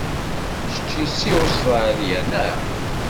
Kečč si Ustṛalya, neɣ?